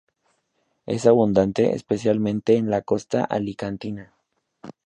Es abundante especialmente en la costa alicantina.